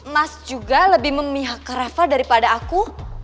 mas juga lebih memihak rafael daripada aku